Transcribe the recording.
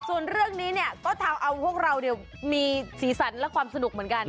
ส่วนเรื่องนี้เนี่ยก็ทำเอาพวกเรามีสีสันและความสนุกเหมือนกัน